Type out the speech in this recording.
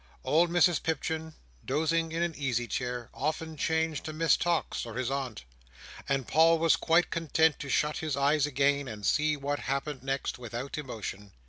Old Mrs Pipchin dozing in an easy chair, often changed to Miss Tox, or his aunt; and Paul was quite content to shut his eyes again, and see what happened next, without emotion.